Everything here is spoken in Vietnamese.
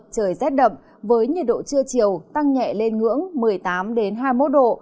trời rét đậm với nhiệt độ trưa chiều tăng nhẹ lên ngưỡng một mươi tám hai mươi một độ